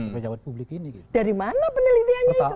pejabat publik ini dari mana penelitianya itu